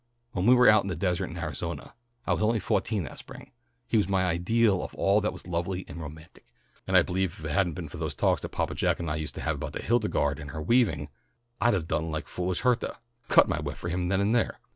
When we were out on the desert in Arizona, I was only fou'teen that spring, he was my ideal of all that was lovely and romantic, and I believe if it hadn't been for those talks Papa Jack and I used to have about Hildegarde and her weaving, I'd have done like foolish Hertha, cut my web for him then and there.